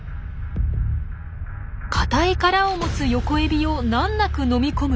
硬い殻を持つヨコエビを難なく飲み込む